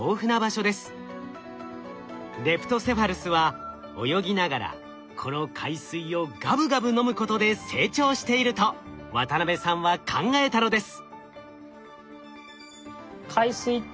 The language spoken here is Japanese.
レプトセファルスは泳ぎながらこの海水をガブガブ飲むことで成長していると渡辺さんは考えたのです。